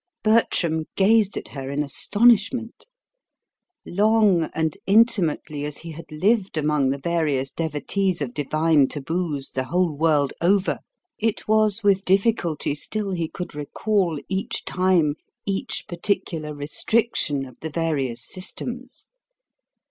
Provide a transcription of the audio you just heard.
Bertram gazed at her in astonishment. Long and intimately as he had lived among the various devotees of divine taboos the whole world over, it was with difficulty still he could recall, each time, each particular restriction of the various systems.